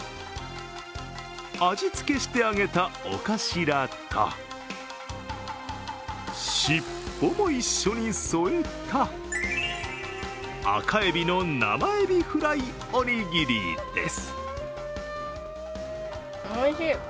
味付けして揚げた尾頭と尻尾も一緒に添えた赤海老の生エビフライおにぎりです。